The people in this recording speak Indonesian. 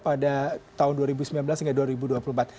pada tahun dua ribu sembilan belas hingga dua ribu dua puluh empat